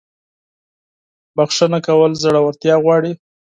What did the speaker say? • بخښنه کول زړورتیا غواړي.